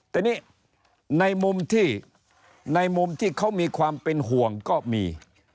แต่นี่ในมุมที่เขามีความเป็นห่วงก็มี